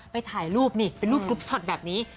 ถ่ายรูปนี่เป็นรูปกรุ๊ปช็อตแบบนี้